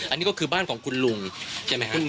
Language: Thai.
อันนี้ก็คือบ้านของคุณลุงใช่ไหมครับ